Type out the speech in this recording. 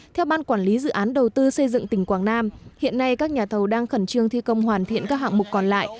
theo ban quản lý dự án đầu tư xây dựng tỉnh quảng nam hiện nay các nhà thầu đang khẩn trương thi công hoàn thiện các hạng mục còn lại